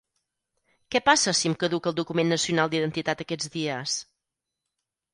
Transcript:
Què passa si em caduca el document nacional d'identitat aquests dies?